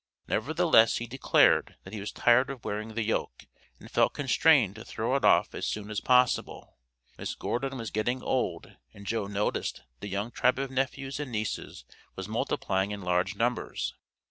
Nevertheless he declared, that he was tired of wearing the yoke, and felt constrained to throw it off as soon as possible. Miss Gordon was getting old, and Joe noticed that the young tribe of nephews and nieces was multiplying in large numbers.